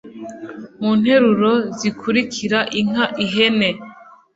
mu nteruro zikurikira inka ihene